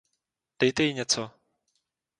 Dejte jí něco.